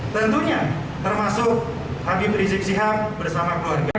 tentunya termasuk habib rizik sihab bersama keluarga